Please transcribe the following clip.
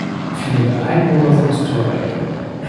Viele der Einwohner sind Tuareg.